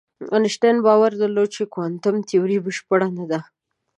انشتین باور درلود چې کوانتم تیوري بشپړه نه ده.